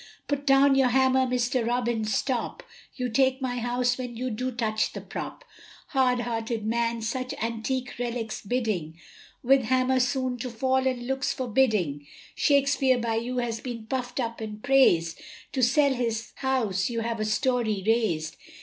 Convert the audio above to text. Put down your hammer, Mr Robins, stop; You take my house when you do touch the prop. Hard hearted man, such antique relics ridding, With hammer soon to fall and looks for bidding, Shakespeare by you has been puffed up and praised, To sell his house you have a story raised.